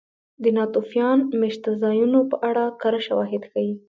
د ناتوفیان مېشتځایونو په اړه کره شواهد ښيي